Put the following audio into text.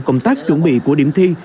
công tác chuẩn bị của điểm thi